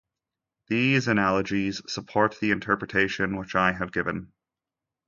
These analogies support the interpretation which I have given.